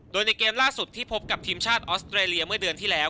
โดยในเกมล่าสุดที่พบกับทีมชาติออสเตรเลียเมื่อเดือนที่แล้ว